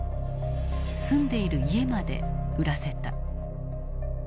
住んでいる家まで売らせた。